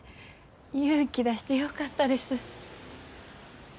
勇気出してよかったです。